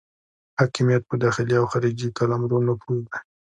حاکمیت په داخلي او خارجي قلمرو نفوذ دی.